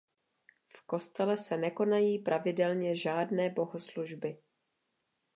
V kostele se nekonají pravidelně žádné bohoslužby.